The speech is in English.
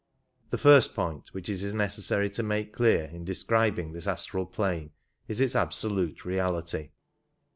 The first point which it is necessary to make clear in describing this astral plane is its absolute reality.